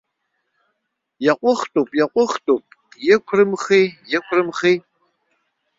Иаҟәыхтәуп, иаҟәыхтәуп, иқәрымхи, иқәрымхи!